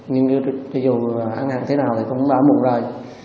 nhưng dù ăn hẳn thế nào thì cũng ấm ụt rồi